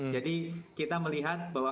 jadi kita melihat bahwa